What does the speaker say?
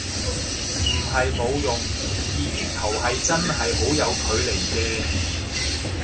唔係冇用，二月頭係真係好有距離嘅